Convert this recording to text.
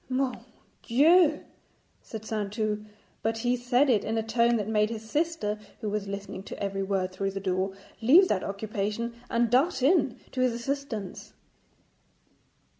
'Mon Dieu!' said Saintou, but he said it in a tone that made his sister, who was listening to every word through the door, leave that occupation and dart in to his assistance.